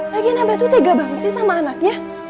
lagian abah tuh tega banget sih sama anaknya